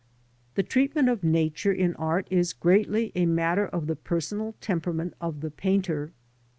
The treatment of Nature in art is greatly a matter of the personal temperament of the painter.